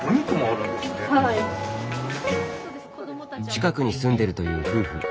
近くに住んでるという夫婦。